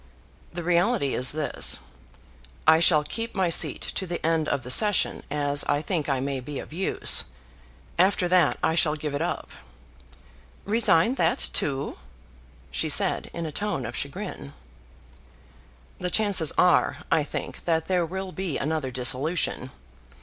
"The reality is this. I shall keep my seat to the end of the session, as I think I may be of use. After that I shall give it up." "Resign that too?" she said in a tone of chagrin. "The chances are, I think, that there will be another dissolution.